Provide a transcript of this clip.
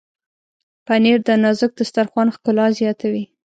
پنېر د نازک دسترخوان ښکلا زیاتوي.